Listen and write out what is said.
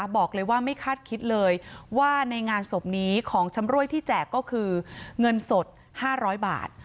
บอกเลยว่าไม่คาดคิดเลยว่าในงานศพนี้ของชำรวยที่แจกก็คือเงินสด๕๐๐บาท